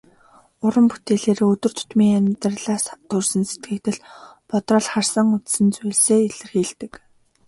Уран бүтээлээрээ өдөр тутмын амьдралаас төрсөн сэтгэгдэл, бодрол, харсан үзсэн зүйлсээ илэрхийлдэг.